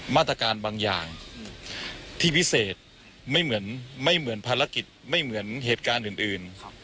มาตรการบางอย่างที่วิเศษไม่เหมือนไม่เหมือนภารกิจไม่เหมือนเหตุการณ์อื่น